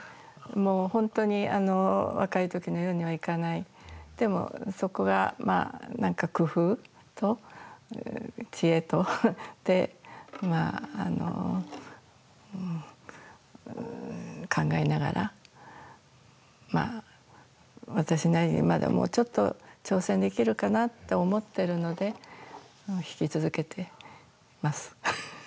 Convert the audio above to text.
もう本当に、若いときのようにはいかない、でも、そこがなんか工夫と知恵で、考えながら、私なりにまだもうちょっと挑戦できるかなって思ってるので、弾き続けてます。